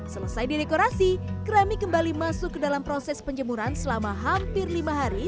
selesai didekorasi kerami kembali masuk ke dalam proses penjemuran selama hampir lima hari